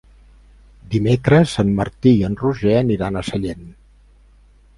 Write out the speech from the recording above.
Dimecres en Martí i en Roger aniran a Sallent.